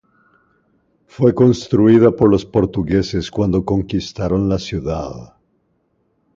Fue construida por los portugueses cuando conquistaron la ciudad.